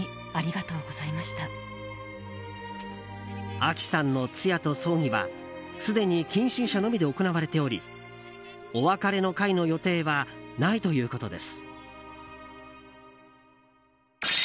あきさんの通夜と葬儀はすでに近親者のみで行われておりお別れの会の予定はないということです。